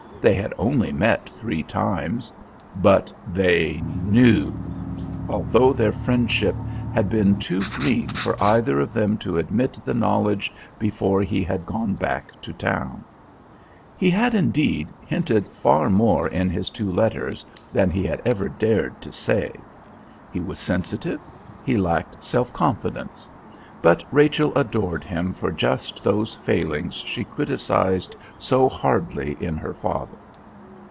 They had only met three times; but they knew, although their friendship had been too green for either of them to admit the knowledge before he had gone back to town. He had, indeed, hinted far more in his two letters than he had ever dared to say. He was sensitive, he lacked self confidence; but Rachel adored him for just those failings she criticised so hardly in her father.